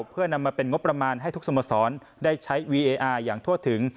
เพื่อนำมาเป็นงบประมาณให้ทุกสโมสรได้ใช้วีเออาร์อย่างทั่วถึง